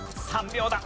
３秒だ。